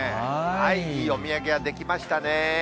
いいお土産ができましたね。